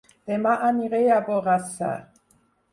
Dema aniré a Borrassà